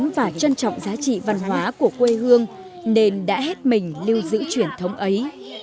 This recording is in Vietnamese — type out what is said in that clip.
họ cũng phải trân trọng giá trị văn hóa của quê hương nên đã hết mình lưu giữ truyền thống ấy